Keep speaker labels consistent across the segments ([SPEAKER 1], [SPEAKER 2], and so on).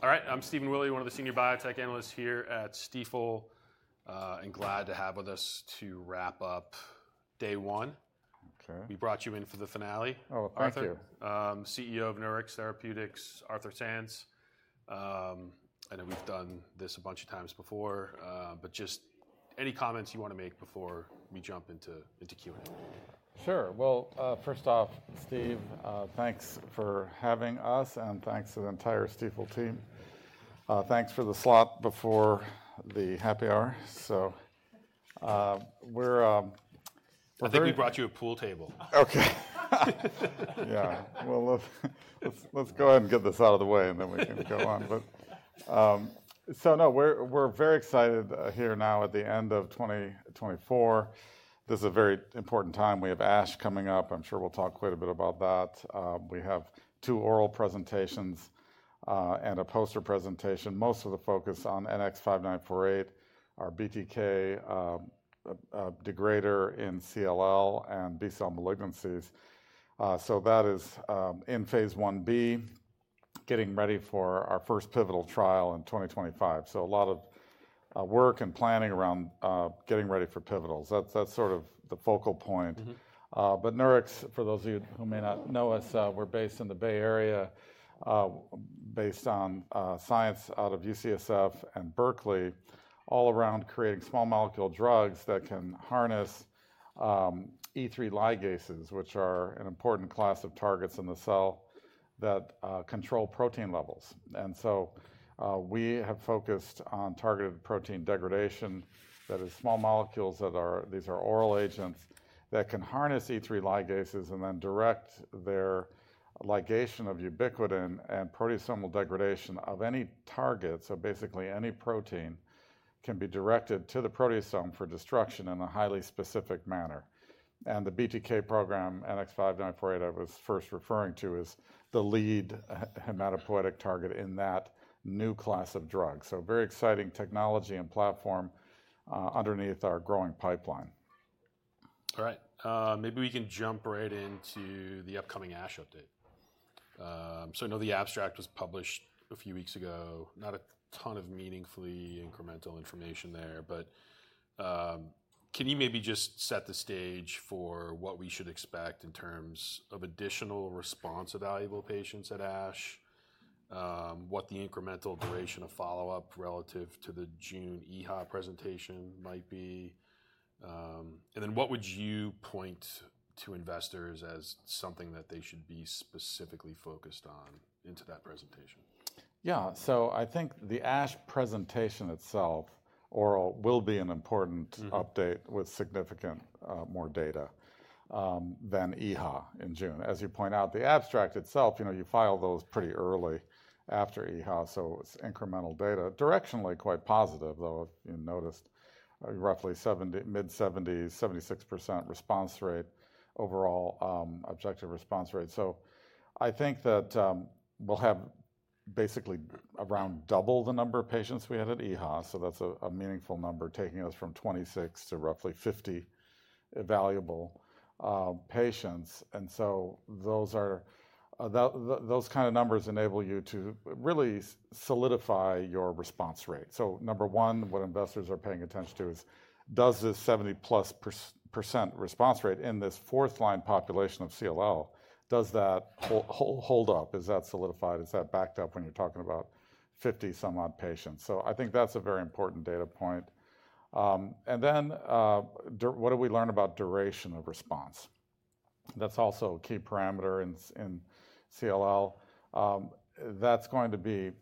[SPEAKER 1] All right. I'm Stephen Willey, one of the senior biotech analysts here at Stifel, and glad to have with us to wrap up day one.
[SPEAKER 2] Okay.
[SPEAKER 1] We brought you in for the finale.
[SPEAKER 2] Oh, thank you.
[SPEAKER 1] CEO of Nurix Therapeutics, Arthur Sands. I know we've done this a bunch of times before, but just any comments you want to make before we jump into Q&A?
[SPEAKER 2] Sure. Well, first off, Steve, thanks for having us, and thanks to the entire Stifel team. Thanks for the slot before the happy hour. So we're...
[SPEAKER 1] I think we brought you a pool table.
[SPEAKER 2] Okay. Yeah. Well, let's go ahead and get this out of the way, and then we can go on. But so no, we're very excited here now at the end of 2024. This is a very important time. We have ASH coming up. I'm sure we'll talk quite a bit about that. We have two oral presentations and a poster presentation, most of the focus on NX-5948, our BTK degrader in CLL and B-cell malignancies. So that is in phase 1b, getting ready for our first pivotal trial in 2025. So a lot of work and planning around getting ready for pivotals. That's sort of the focal point. But Nurix, for those of you who may not know us, we're based in the Bay Area, based on science out of UCSF and Berkeley, all around creating small molecule drugs that can harness E3 ligases, which are an important class of targets in the cell that control protein levels. And so we have focused on targeted protein degradation. That is, small molecules that are oral agents that can harness E3 ligases and then direct their ligation of ubiquitin and proteasomal degradation of any target. So basically, any protein can be directed to the proteasome for destruction in a highly specific manner. And the BTK program, NX-5948, I was first referring to is the lead hematopoietic target in that new class of drug. So very exciting technology and platform underneath our growing pipeline.
[SPEAKER 1] All right. Maybe we can jump right into the upcoming ASH update. So I know the abstract was published a few weeks ago. Not a ton of meaningfully incremental information there, but can you maybe just set the stage for what we should expect in terms of additional response of evaluable patients at ASH, what the incremental duration of follow-up relative to the June EHA presentation might be? Then what would you point to investors as something that they should be specifically focused on in that presentation?
[SPEAKER 2] Yeah. So I think the ASH presentation itself, oral, will be an important update with significantly more data than EHA in June. As you point out, the abstract itself, you know, you file those pretty early after EHA, so it's incremental data. Directionally, quite positive, though, if you noticed, roughly mid-70s, 76% response rate, overall objective response rate. So I think that we'll have basically around double the number of patients we had at EHA. So that's a meaningful number, taking us from 26 to roughly 50 evaluable patients. And so those are those kind of numbers enable you to really solidify your response rate. So number one, what investors are paying attention to is, does this 70-plus% response rate in this fourth-line population of CLL, does that hold up? Is that solidified? Is that backed up when you're talking about 50-some-odd patients? So I think that's a very important data point. And then what do we learn about duration of response? That's also a key parameter in CLL. That's going to be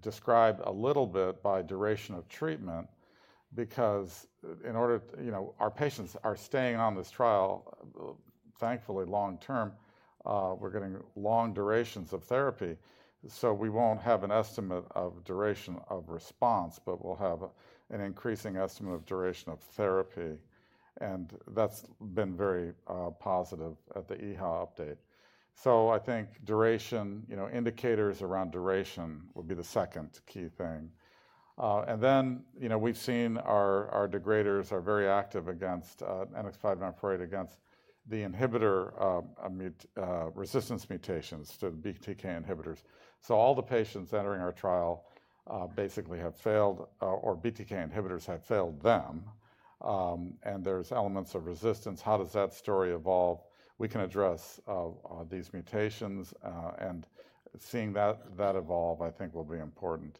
[SPEAKER 2] described a little bit by duration of treatment because in order to, you know, our patients are staying on this trial, thankfully, long-term. We're getting long durations of therapy. So we won't have an estimate of duration of response, but we'll have an increasing estimate of duration of therapy. And that's been very positive at the EHA update. So I think duration, you know, indicators around duration would be the second key thing. And then, you know, we've seen our degraders are very active against NX-5948 against the inhibitor resistance mutations to BTK inhibitors. So all the patients entering our trial basically have failed or BTK inhibitors have failed them. And there's elements of resistance. How does that story evolve? We can address these mutations, and seeing that evolve, I think, will be important.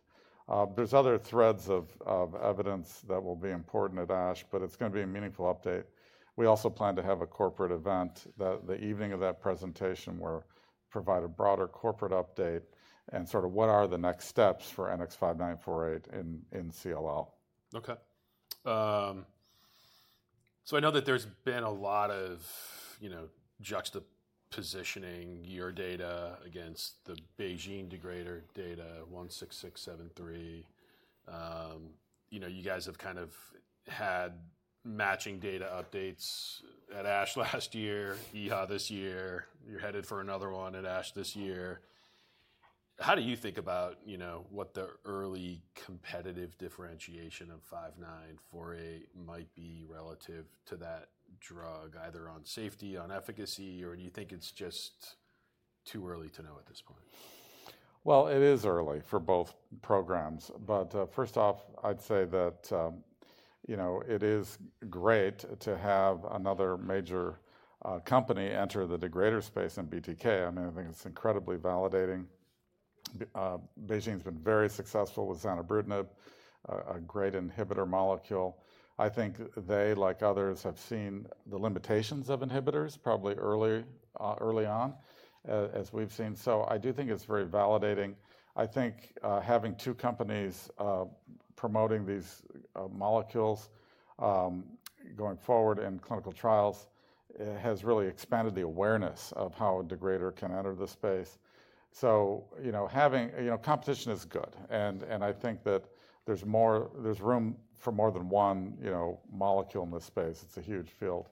[SPEAKER 2] There's other threads of evidence that will be important at ASH, but it's going to be a meaningful update. We also plan to have a corporate event that the evening of that presentation will provide a broader corporate update and sort of what are the next steps for NX-5948 in CLL.
[SPEAKER 1] Okay. So I know that there's been a lot of, you know, juxtaposing your data against the BeiGene degrader data, 16673. You know, you guys have kind of had matching data updates at ASH last year, EHA this year. You're headed for another one at ASH this year. How do you think about, you know, what the early competitive differentiation of 5948 might be relative to that drug, either on safety, on efficacy, or do you think it's just too early to know at this point?
[SPEAKER 2] It is early for both programs. First off, I'd say that, you know, it is great to have another major company enter the degrader space in BTK. I mean, I think it's incredibly validating. BeiGene's been very successful with zanubrutinib, a great inhibitor molecule. I think they, like others, have seen the limitations of inhibitors probably early on, as we've seen. I do think it's very validating. I think having two companies promoting these molecules going forward in clinical trials has really expanded the awareness of how a degrader can enter the space. You know, having, you know, competition is good. And I think that there's more room for more than one, you know, molecule in this space. It's a huge field.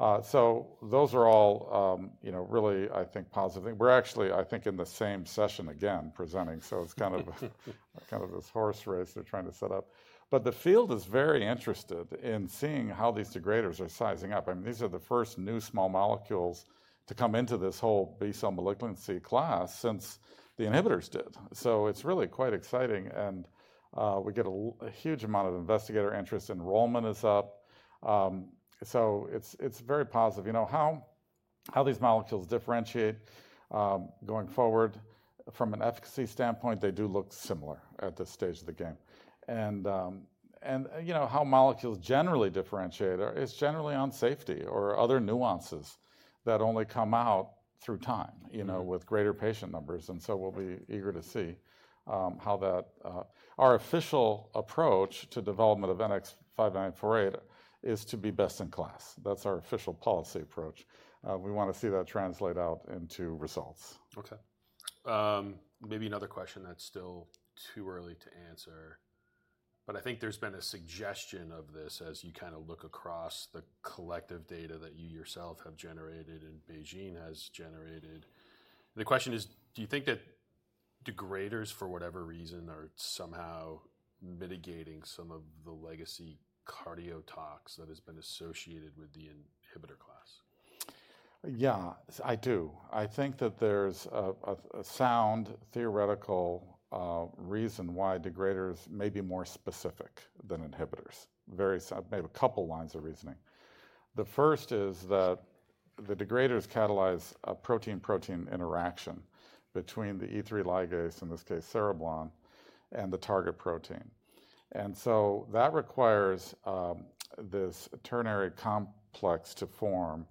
[SPEAKER 2] Those are all, you know, really, I think, positive things. We're actually, I think, in the same session again presenting. So it's kind of this horse race they're trying to set up. But the field is very interested in seeing how these degraders are sizing up. I mean, these are the first new small molecules to come into this whole B-cell malignancy class since the inhibitors did. So it's really quite exciting. And we get a huge amount of investigator interest. Enrollment is up. So it's very positive. You know, how these molecules differentiate going forward, from an efficacy standpoint, they do look similar at this stage of the game. And, you know, how molecules generally differentiate is generally on safety or other nuances that only come out through time, you know, with greater patient numbers. And so we'll be eager to see how that our official approach to development of NX-5948 is to be best in class. That's our official policy approach. We want to see that translate out into results.
[SPEAKER 1] Okay. Maybe another question that's still too early to answer. But I think there's been a suggestion of this as you kind of look across the collective data that you yourself have generated and BeiGene has generated. The question is, do you think that degraders, for whatever reason, are somehow mitigating some of the legacy cardiotox that has been associated with the inhibitor class?
[SPEAKER 2] Yeah, I do. I think that there's a sound theoretical reason why degraders may be more specific than inhibitors. Very sound, maybe a couple lines of reasoning. The first is that the degraders catalyze a protein-protein interaction between the E3 ligase, in this case, cereblon, and the target protein, and so that requires this ternary complex to form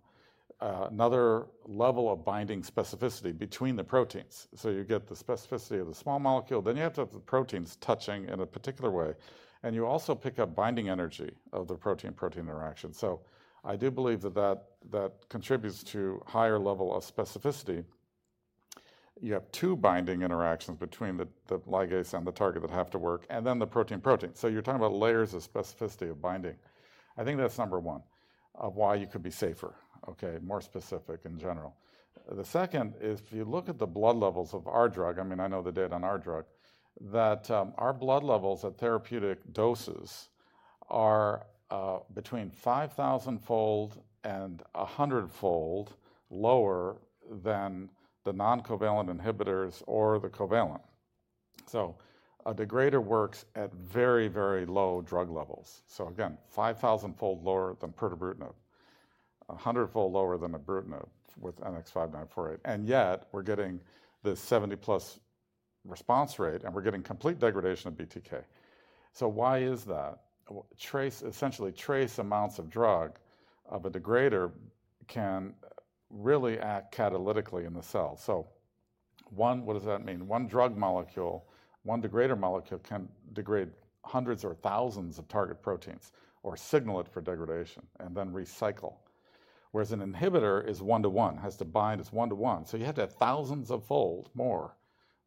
[SPEAKER 2] another level of binding specificity between the proteins, so you get the specificity of the small molecule. Then you have the proteins touching in a particular way, and you also pick up binding energy of the protein-protein interaction, so I do believe that that contributes to a higher level of specificity. You have two binding interactions between the ligase and the target that have to work, and then the protein-protein, so you're talking about layers of specificity of binding. I think that's number one of why you could be safer, okay, more specific in general. The second is if you look at the blood levels of our drug. I mean, I know the data on our drug, that our blood levels at therapeutic doses are between 5,000-fold and 100-fold lower than the non-covalent inhibitors or the covalent. So a degrader works at very, very low drug levels. So again, 5,000-fold lower than pertobrutinib, 100-fold lower than ibrutinib with NX-5948. And yet we're getting this 70-plus response rate, and we're getting complete degradation of BTK. So why is that? Essentially, trace amounts of drug of a degrader can really act catalytically in the cell. So one, what does that mean? One drug molecule, one degrader molecule can degrade hundreds or thousands of target proteins or signal it for degradation and then recycle. Whereas an inhibitor is one-to-one, has to bind as one-to-one. So you have to have thousand-fold more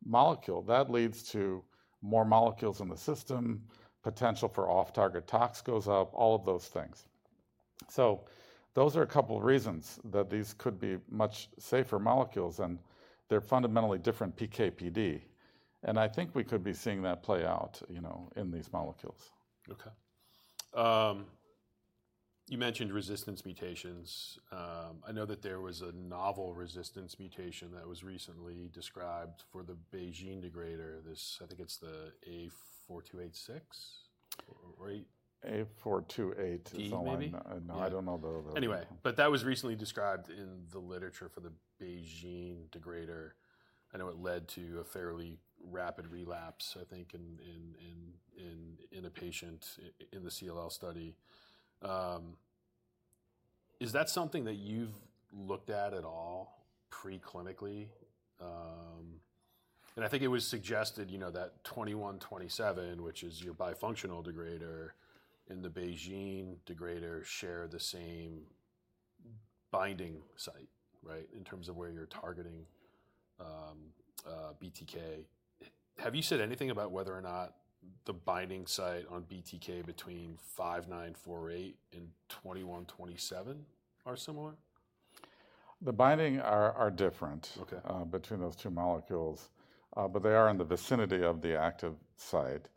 [SPEAKER 2] molecules. That leads to more molecules in the system, potential for off-target tox goes up, all of those things. So those are a couple of reasons that these could be much safer molecules, and they're fundamentally different PK/PD. And I think we could be seeing that play out, you know, in these molecules.
[SPEAKER 1] Okay. You mentioned resistance mutations. I know that there was a novel resistance mutation that was recently described for the BeiGene degrader. I think it's the A428G or.
[SPEAKER 2] A428 is all I know. I don't know the.
[SPEAKER 1] Anyway, but that was recently described in the literature for the BeiGene degrader. I know it led to a fairly rapid relapse, I think, in a patient in the CLL study. Is that something that you've looked at at all preclinically? And I think it was suggested, you know, that 2127, which is your bifunctional degrader, and the BeiGene degrader share the same binding site, right, in terms of where you're targeting BTK. Have you said anything about whether or not the binding site on BTK between 5948 and 2127 are similar?
[SPEAKER 2] The binding are different between those two molecules, but they are in the vicinity of the active site,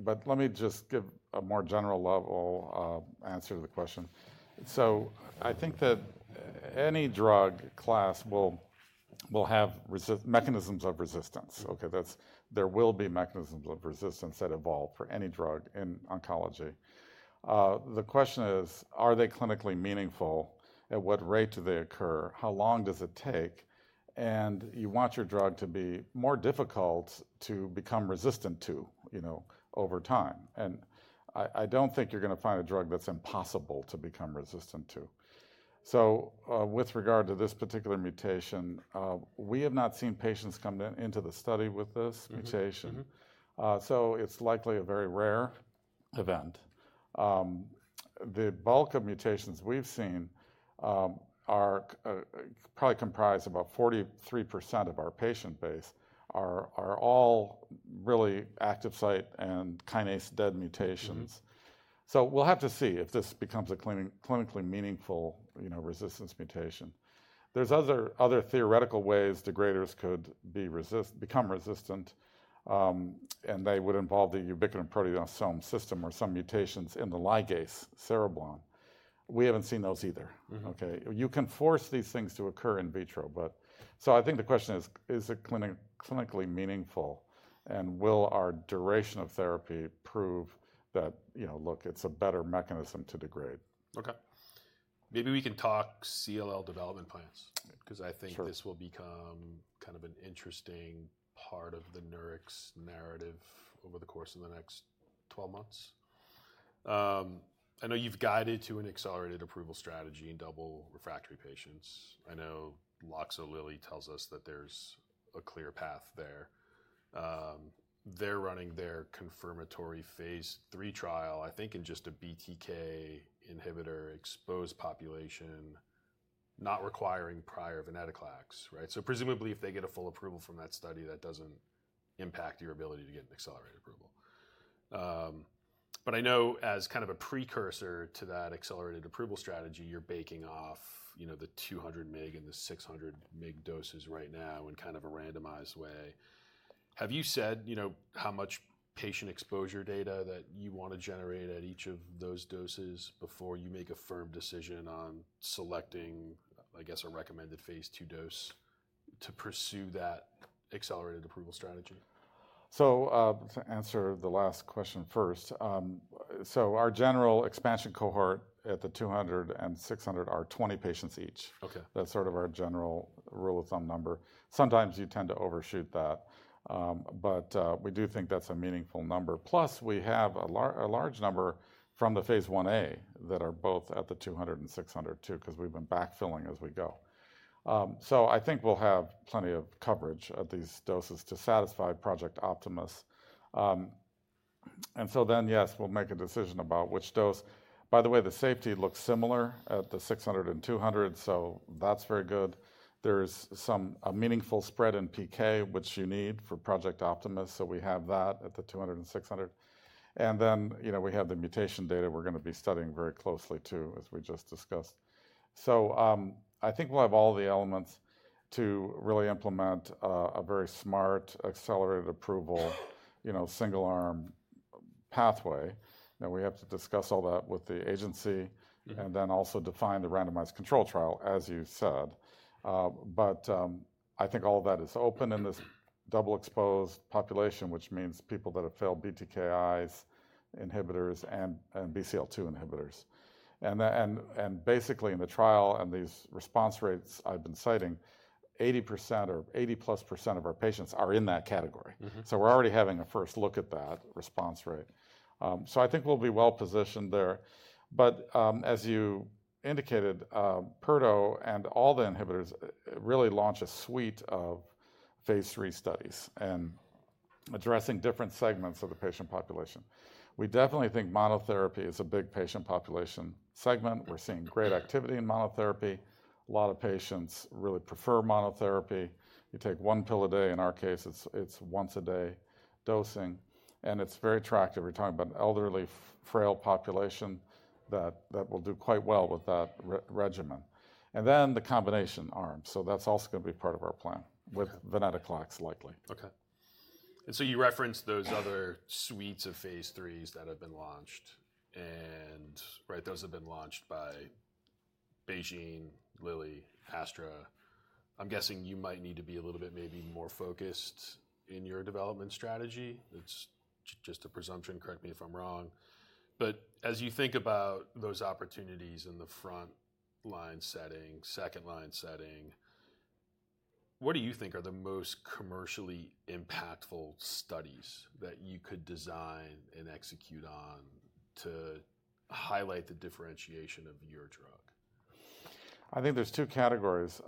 [SPEAKER 2] but let me just give a more general level answer to the question, so I think that any drug class will have mechanisms of resistance. Okay, there will be mechanisms of resistance that evolve for any drug in oncology. The question is, are they clinically meaningful? At what rate do they occur? How long does it take? And you want your drug to be more difficult to become resistant to, you know, over time, and I don't think you're going to find a drug that's impossible to become resistant to, so with regard to this particular mutation, we have not seen patients come into the study with this mutation, so it's likely a very rare event. The bulk of mutations we've seen are probably comprised of about 43% of our patient base, all really active site and kinase dead mutations. So we'll have to see if this becomes a clinically meaningful, you know, resistance mutation. There's other theoretical ways degraders could become resistant, and they would involve the ubiquitin proteasome system or some mutations in the ligase cereblon. We haven't seen those either. Okay, you can force these things to occur in vitro, but so I think the question is, is it clinically meaningful, and will our duration of therapy prove that, you know, look, it's a better mechanism to degrade?
[SPEAKER 1] Okay. Maybe we can talk CLL development plans because I think this will become kind of an interesting part of the Nurix narrative over the course of the next 12 months. I know you've guided to an accelerated approval strategy in double refractory patients. I know Loxo@Lilly tells us that there's a clear path there. They're running their confirmatory phase three trial, I think, in just a BTK inhibitor exposed population, not requiring prior venetoclax, right? So presumably, if they get a full approval from that study, that doesn't impact your ability to get an accelerated approval. But I know as kind of a precursor to that accelerated approval strategy, you're backing off, you know, the 200-mg and the 600-mg doses right now in kind of a randomized way. Have you said, you know, how much patient exposure data that you want to generate at each of those doses before you make a firm decision on selecting, I guess, a recommended phase 2 dose to pursue that accelerated approval strategy?
[SPEAKER 2] To answer the last question first, our general expansion cohort at the 200 and 600 are 20 patients each. That's sort of our general rule of thumb number. Sometimes you tend to overshoot that. But we do think that's a meaningful number. Plus, we have a large number from the phase 1A that are both at the 200 and 600 too because we've been backfilling as we go. I think we'll have plenty of coverage at these doses to satisfy Project Optimus. And so then, yes, we'll make a decision about which dose. By the way, the safety looks similar at the 600 and 200. That's very good. There's some meaningful spread in PK, which you need for Project Optimus. We have that at the 200 and 600. And then, you know, we have the mutation data we're going to be studying very closely too, as we just discussed. So I think we'll have all the elements to really implement a very smart accelerated approval, you know, single-arm pathway. Now, we have to discuss all that with the agency and then also define the randomized control trial, as you said. But I think all of that is open in this double-exposed population, which means people that have failed BTKIs and BCL-2 inhibitors. And basically, in the trial and these response rates I've been citing, 80% or 80-plus% of our patients are in that category. So we're already having a first look at that response rate. So I think we'll be well positioned there. But as you indicated, Perto and all the inhibitors really launch a suite of phase three studies and addressing different segments of the patient population. We definitely think monotherapy is a big patient population segment. We're seeing great activity in monotherapy. A lot of patients really prefer monotherapy. You take one pill a day. In our case, it's once-a-day dosing. And it's very attractive. We're talking about an elderly frail population that will do quite well with that regimen. And then the combination arm. So that's also going to be part of our plan with venetoclax, likely.
[SPEAKER 1] Okay. And so you referenced those other suites of phase 3s that have been launched. And, right, those have been launched by BeiGene, Lilly, AstraZeneca. I'm guessing you might need to be a little bit maybe more focused in your development strategy. It's just a presumption. Correct me if I'm wrong. But as you think about those opportunities in the front-line setting, second-line setting, what do you think are the most commercially impactful studies that you could design and execute on to highlight the differentiation of your drug?
[SPEAKER 2] I think there's two categories.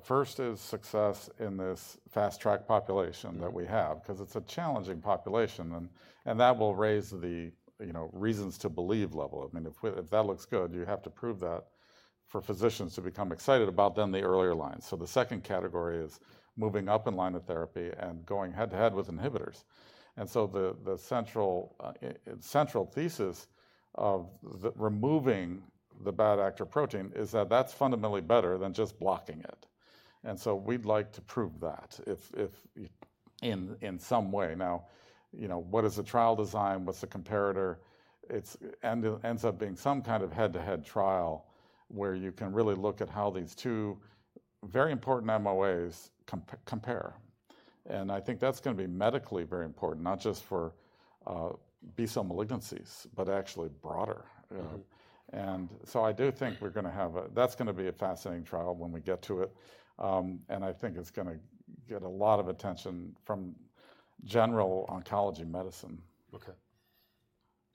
[SPEAKER 2] First is success in this fast-track population that we have because it's a challenging population, and that will raise the, you know, reasons to believe level. I mean, if that looks good, you have to prove that for physicians to become excited about then the earlier lines, so the second category is moving up in line of therapy and going head-to-head with inhibitors, and so the central thesis of removing the bad actor protein is that that's fundamentally better than just blocking it, and so we'd like to prove that in some way. Now, you know, what is the trial design? What's the comparator? It ends up being some kind of head-to-head trial where you can really look at how these two very important MOAs compare, and I think that's going to be medically very important, not just for B-cell malignancies, but actually broader. And so I do think we're going to have a, that's going to be a fascinating trial when we get to it. And I think it's going to get a lot of attention from general oncology medicine.
[SPEAKER 1] Okay,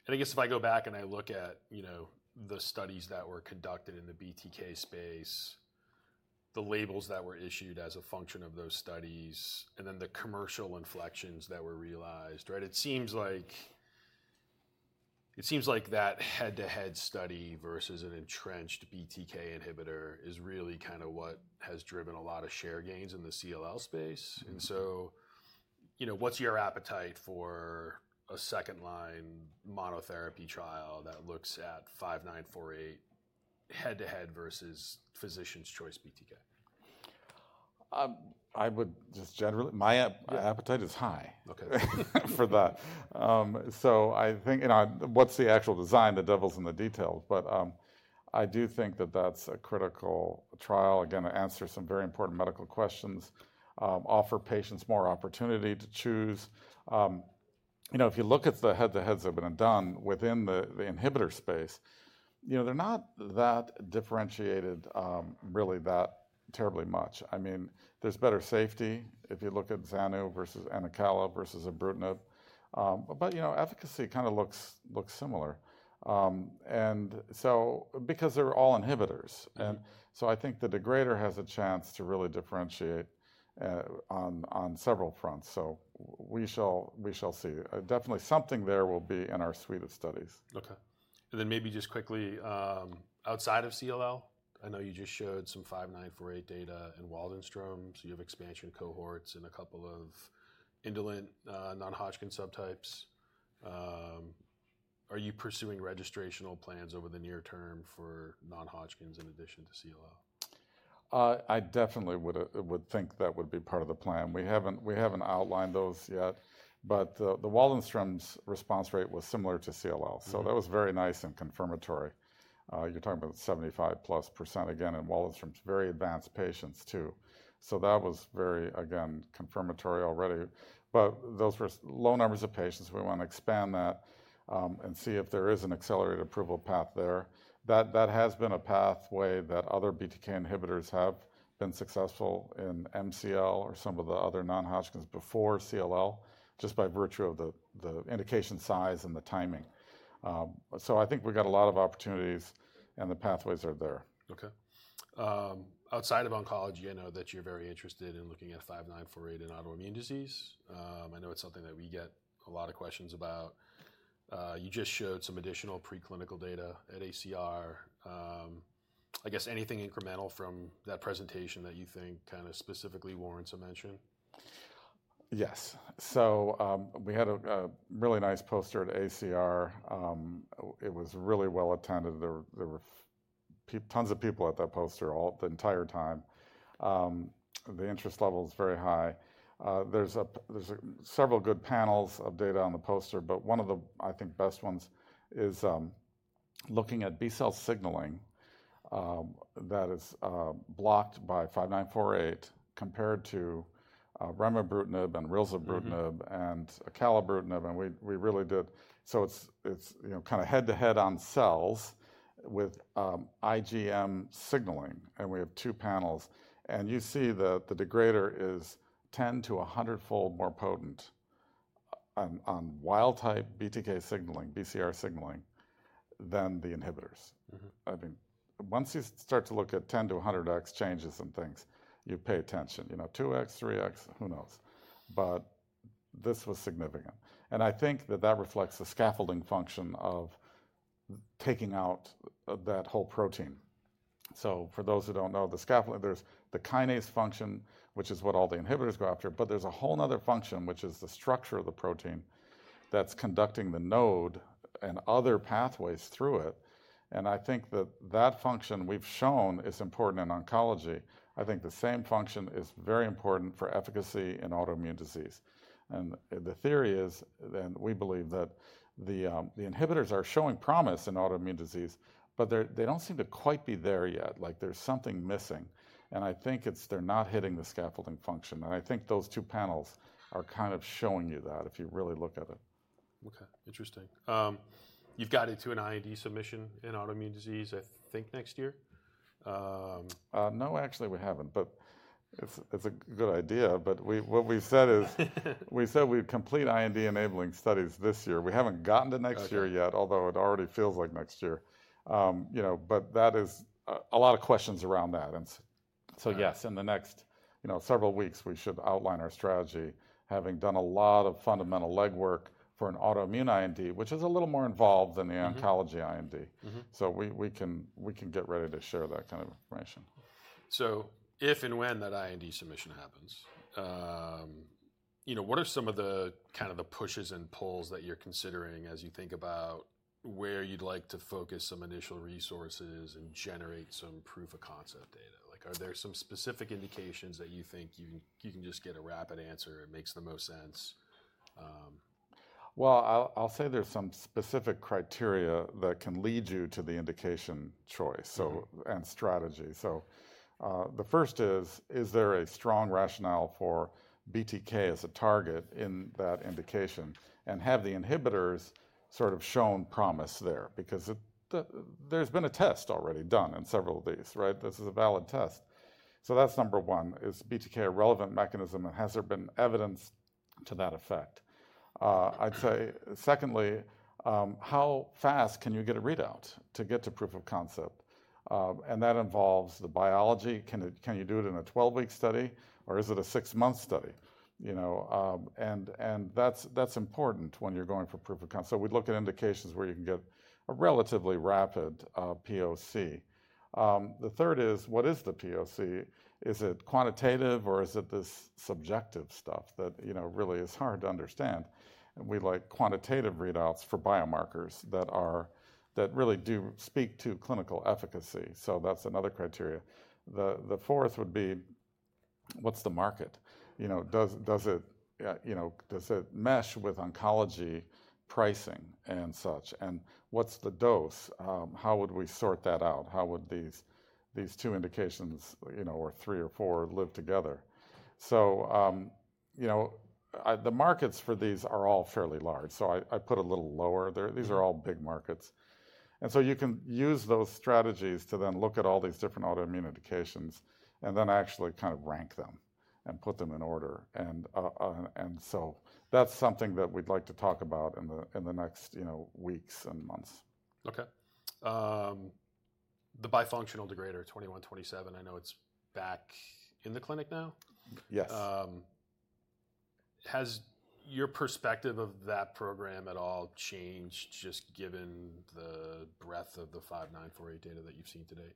[SPEAKER 1] and I guess if I go back and I look at, you know, the studies that were conducted in the BTK space, the labels that were issued as a function of those studies, and then the commercial inflections that were realized, right? It seems like that head-to-head study versus an entrenched BTK inhibitor is really kind of what has driven a lot of share gains in the CLL space. So, you know, what's your appetite for a second-line monotherapy trial that looks at NX-5948 head-to-head versus physician's choice BTK?
[SPEAKER 2] I would just generally, my appetite is high for that. So I think, you know, what's the actual design, the devil's in the details, but I do think that that's a critical trial, again, to answer some very important medical questions, offer patients more opportunity to choose. You know, if you look at the head-to-heads that have been done within the inhibitor space, you know, they're not that differentiated really that terribly much. I mean, there's better safety if you look at zanubrutinib versus acalabrutinib versus ibrutinib. But, you know, efficacy kind of looks similar. And so because they're all inhibitors. And so I think the degrader has a chance to really differentiate on several fronts. So we shall see. Definitely something there will be in our suite of studies.
[SPEAKER 1] Okay. And then maybe just quickly, outside of CLL, I know you just showed some 5948 data in Waldenström. So you have expansion cohorts and a couple of indolent Non-Hodgkin subtypes. Are you pursuing registrational plans over the near term for Non-Hodgkin's in addition to CLL?
[SPEAKER 2] I definitely would think that would be part of the plan. We haven't outlined those yet, but the Waldenström's response rate was similar to CLL. So that was very nice and confirmatory. You're talking about 75-plus% again in Waldenström's very advanced patients too. So that was very, again, confirmatory already. But those were low numbers of patients. We want to expand that and see if there is an accelerated approval path there. That has been a pathway that other BTK inhibitors have been successful in MCL or some of the other Non-Hodgkin's before CLL, just by virtue of the indication size and the timing. So I think we've got a lot of opportunities and the pathways are there.
[SPEAKER 1] Okay. Outside of oncology, I know that you're very interested in looking at 5948 in autoimmune disease. I know it's something that we get a lot of questions about. You just showed some additional preclinical data at ACR. I guess anything incremental from that presentation that you think kind of specifically warrants a mention?
[SPEAKER 2] Yes. So we had a really nice poster at ACR. It was really well attended. There were tons of people at that poster all the entire time. The interest level is very high. There's several good panels of data on the poster, but one of the, I think, best ones is looking at B-cell signaling that is blocked by 5948 compared to remibrutinib and rilzabrutinib and acalabrutinib. And we really did, so it's, you know, kind of head-to-head on cells with IgM signaling. And we have two panels. And you see that the degrader is 10 to 100-fold more potent on wild-type BTK signaling, BCR signaling than the inhibitors. I mean, once you start to look at 10 to 100x changes and things, you pay attention. You know, 2x, 3x, who knows? But this was significant. I think that that reflects the scaffolding function of taking out that whole protein. So for those who don't know, the scaffolding, there's the kinase function, which is what all the inhibitors go after, but there's a whole nother function, which is the structure of the protein that's conducting the node and other pathways through it. And I think that that function we've shown is important in oncology. I think the same function is very important for efficacy in autoimmune disease. And the theory is, and we believe that the inhibitors are showing promise in autoimmune disease, but they don't seem to quite be there yet. Like there's something missing. And I think it's, they're not hitting the scaffolding function. And I think those two panels are kind of showing you that if you really look at it.
[SPEAKER 1] Okay. Interesting. You've got an IND submission in autoimmune disease, I think next year?
[SPEAKER 2] No, actually we haven't, but it's a good idea, but what we've said is we said we'd complete IND enabling studies this year. We haven't gotten to next year yet, although it already feels like next year, you know, but that is a lot of questions around that, and so yes, in the next, you know, several weeks, we should outline our strategy, having done a lot of fundamental legwork for an autoimmune IND, which is a little more involved than the oncology IND, so we can get ready to share that kind of information.
[SPEAKER 1] So if and when that IND submission happens, you know, what are some of the kind of pushes and pulls that you're considering as you think about where you'd like to focus some initial resources and generate some proof of concept data? Like are there some specific indications that you think you can just get a rapid answer? It makes the most sense.
[SPEAKER 2] I'll say there's some specific criteria that can lead you to the indication choice and strategy. So the first is, is there a strong rationale for BTK as a target in that indication? And have the inhibitors sort of shown promise there? Because there's been a test already done in several of these, right? This is a valid test. So that's number one is BTK a relevant mechanism and has there been evidence to that effect? I'd say secondly, how fast can you get a readout to get to proof of concept? And that involves the biology. Can you do it in a 12-week study or is it a six-month study? You know, and that's important when you're going for proof of concept. So we'd look at indications where you can get a relatively rapid POC. The third is, what is the POC? Is it quantitative or is it this subjective stuff that, you know, really is hard to understand, and we like quantitative readouts for biomarkers that really do speak to clinical efficacy, so that's another criteria. The fourth would be, what's the market? You know, does it, you know, does it mesh with oncology pricing and such? And what's the dose? How would we sort that out? How would these two indications, you know, or three or four live together, so, you know, the markets for these are all fairly large, so I put a little lower there. These are all big markets, and so you can use those strategies to then look at all these different autoimmune indications and then actually kind of rank them and put them in order, and so that's something that we'd like to talk about in the next, you know, weeks and months.
[SPEAKER 1] Okay. The bifunctional degrader NX-2127, I know it's back in the clinic now.
[SPEAKER 2] Yes.
[SPEAKER 1] Has your perspective of that program at all changed just given the breadth of the 5948 data that you've seen today?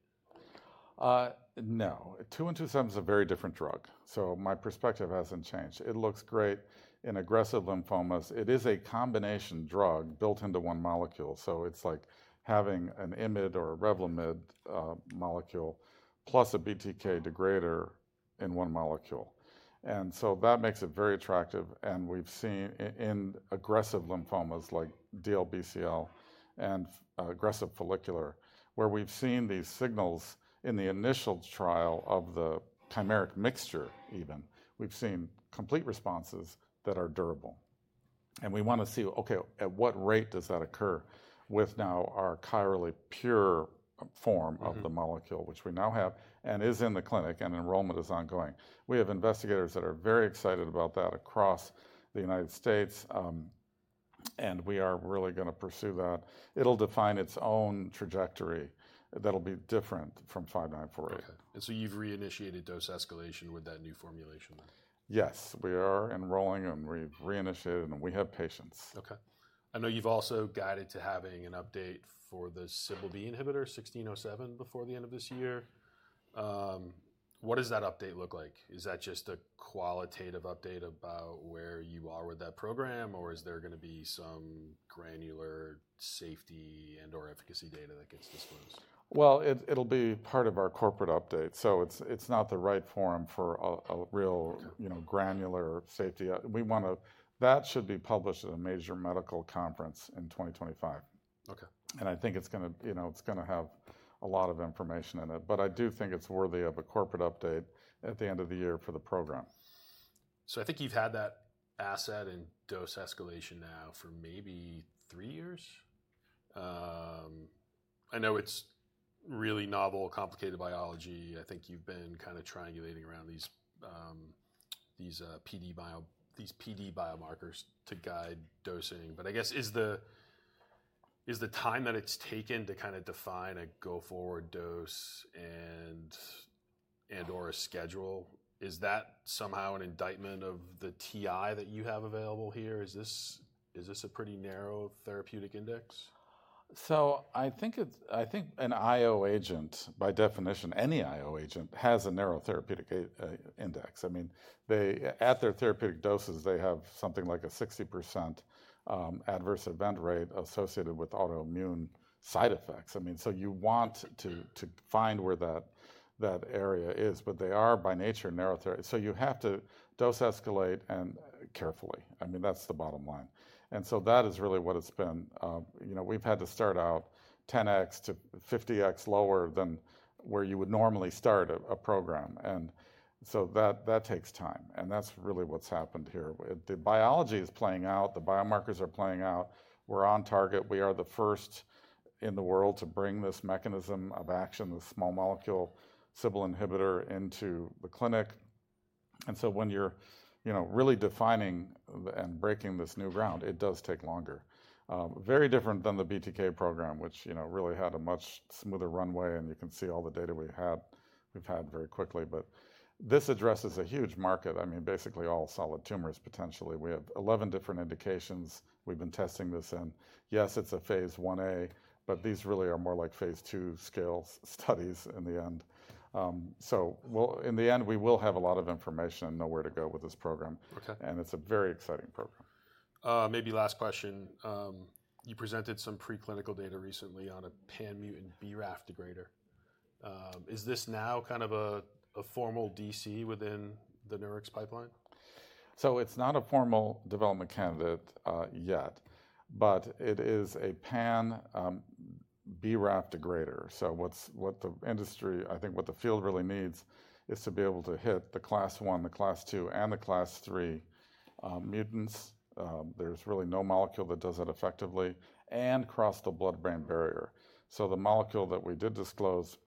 [SPEAKER 2] NX-2127 is a very different drug. So my perspective hasn't changed. It looks great in aggressive lymphomas. It is a combination drug built into one molecule. So it's like having an IMiD or a Revlimid molecule plus a BTK degrader in one molecule. And so that makes it very attractive. And we've seen in aggressive lymphomas like DLBCL and aggressive follicular, where we've seen these signals in the initial trial of the chimeric mixture even, we've seen complete responses that are durable. And we want to see, okay, at what rate does that occur with now our chirally pure form of the molecule, which we now have and is in the clinic and enrollment is ongoing. We have investigators that are very excited about that across the United States. And we are really going to pursue that. It'll define its own trajectory that'll be different from NX-5948.
[SPEAKER 1] Okay, and so you've reinitiated dose escalation with that new formulation?
[SPEAKER 2] Yes. We are enrolling and we've reinitiated and we have patients.
[SPEAKER 1] Okay. I know you've also guided to having an update for the Cbl-b inhibitor NX-1607 before the end of this year. What does that update look like? Is that just a qualitative update about where you are with that program? Or is there going to be some granular safety and/or efficacy data that gets disclosed?
[SPEAKER 2] It'll be part of our corporate update. It's not the right forum for a real, you know, granular safety. We want to, that should be published at a major medical conference in 2025.
[SPEAKER 1] Okay.
[SPEAKER 2] I think it's going to, you know, it's going to have a lot of information in it, but I do think it's worthy of a corporate update at the end of the year for the program.
[SPEAKER 1] So I think you've had that asset and dose escalation now for maybe three years. I know it's really novel, complicated biology. I think you've been kind of triangulating around these PD biomarkers to guide dosing. But I guess is the time that it's taken to kind of define a go forward dose and/or a schedule, is that somehow an indictment of the TI that you have available here? Is this a pretty narrow therapeutic index?
[SPEAKER 2] So I think an IO agent, by definition, any IO agent has a narrow therapeutic index. I mean, at their therapeutic doses, they have something like a 60% adverse event rate associated with autoimmune side effects. I mean, so you want to find where that area is, but they are by nature narrow therapy. So you have to dose escalate and carefully. I mean, that's the bottom line. And so that is really what it's been. You know, we've had to start out 10x to 50x lower than where you would normally start a program. And so that takes time. And that's really what's happened here. The biology is playing out. The biomarkers are playing out. We're on target. We are the first in the world to bring this mechanism of action, the small molecule Cbl-b inhibitor into the clinic. And so when you're, you know, really defining and breaking this new ground, it does take longer. Very different than the BTK program, which, you know, really had a much smoother runway. And you can see all the data we've had very quickly. But this addresses a huge market. I mean, basically all solid tumors potentially. We have 11 different indications. We've been testing this in. Yes, it's a phase 1A, but these really are more like phase 2 scale studies in the end. So in the end, we will have a lot of information and know where to go with this program. And it's a very exciting program.
[SPEAKER 1] Maybe last question. You presented some preclinical data recently on a pan-mutant BRAF degrader. Is this now kind of a formal DC within the Nurix pipeline?
[SPEAKER 2] So it's not a formal development candidate yet, but it is a pan-BRAF degrader. So what the industry, I think what the field really needs is to be able to hit the class one, the class two, and the class three mutants. There's really no molecule that does that effectively and cross the blood-brain barrier. So the molecule that we did disclose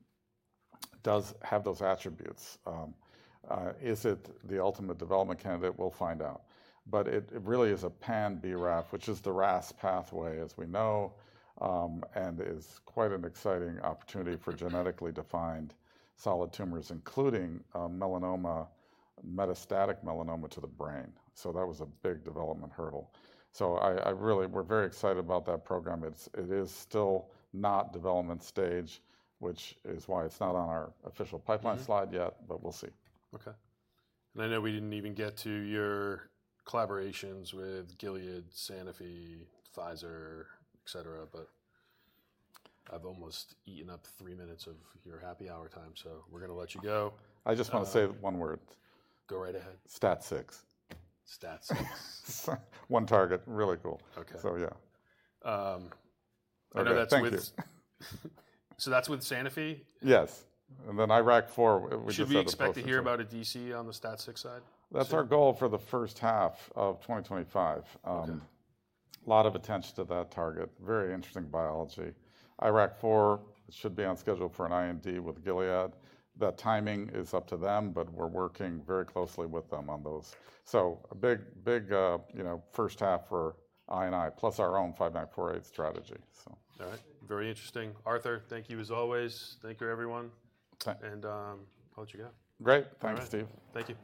[SPEAKER 2] does have those attributes. Is it the ultimate development candidate? We'll find out. But it really is a pan-BRAF, which is the RAS pathway as we know, and is quite an exciting opportunity for genetically defined solid tumors, including melanoma, metastatic melanoma to the brain. So that was a big development hurdle. So I really, we're very excited about that program. It is still not development stage, which is why it's not on our official pipeline slide yet, but we'll see.
[SPEAKER 1] Okay. And I know we didn't even get to your collaborations with Gilead, Sanofi, Pfizer, et cetera, but I've almost eaten up three minutes of your happy hour time. So we're going to let you go.
[SPEAKER 2] I just want to say one word.
[SPEAKER 1] Go right ahead.
[SPEAKER 2] STAT6.
[SPEAKER 1] STAT6.
[SPEAKER 2] One target. Really cool.
[SPEAKER 1] Okay.
[SPEAKER 2] So yeah.
[SPEAKER 1] I know that's with.
[SPEAKER 2] Thank you.
[SPEAKER 1] So that's with Sanofi?
[SPEAKER 2] Yes, and then IRAK4.
[SPEAKER 1] Should we expect to hear about a DC on the STAT6 side?
[SPEAKER 2] That's our goal for the first half of 2025. A lot of attention to that target. Very interesting biology. IRAK4 should be on schedule for an IND with Gilead. That timing is up to them, but we're working very closely with them on those. So a big, you know, first half for NX-2127 plus our own NX-5948 strategy.
[SPEAKER 1] All right. Very interesting. Arthur, thank you as always. Thank you, everyone, and I'll let you go.
[SPEAKER 2] Great. Thanks, Steve.
[SPEAKER 1] Thank you.